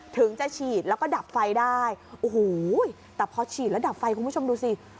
ถึงจะฉีดแล้วก็ดับไฟได้โอ้โหแต่พอฉีดแล้วดับไฟคุณผู้ชมดูสิ